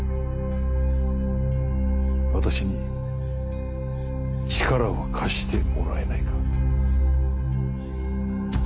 私に力を貸してもらえないか？